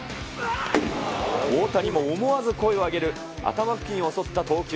大谷も思わず声を上げる、頭付近を襲った投球。